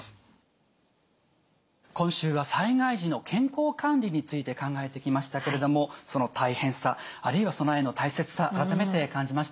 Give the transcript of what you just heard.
今週は災害時の健康管理について考えてきましたけれどもその大変さあるいは備えの大切さ改めて感じましたよね。